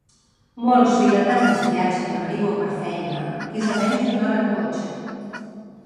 Molts vilatans viatgen a Maribor per feina, que és a menys d'una hora en cotxe.